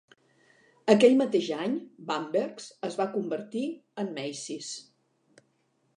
Aquell mateix any, Bamberger's es va convertir en Macy's.